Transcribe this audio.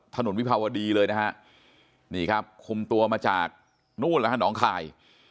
วิภาวดีเลยนะฮะนี่ครับคุมตัวมาจากนู่นแล้วฮะหนองคาย